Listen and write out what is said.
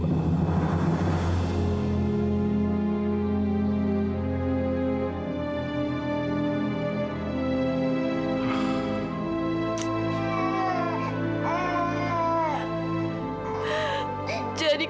aku mengaminkan nuevo t versie